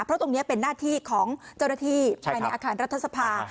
เพราะตรงนี้เป็นหน้าที่ของเจ้าหน้าที่ภายในอาคารรัฐสภา